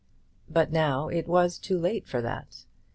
But now it was too late for that.